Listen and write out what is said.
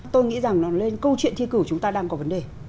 tôi nghĩ rằng nó lên câu chuyện thi cử chúng ta đang có vấn đề